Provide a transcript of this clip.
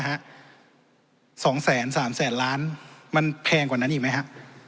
สองแสนสามแสนล้านมันแพงกว่านั้นอีกไหมฮะ